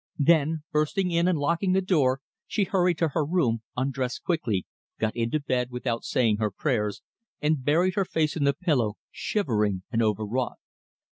Then, bursting in and locking the door, she hurried to her room, undressed quickly, got into bed without saying her prayers, and buried her face in the pillow, shivering and overwrought.